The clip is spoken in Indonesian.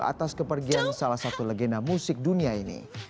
atas kepergian salah satu legenda musik dunia ini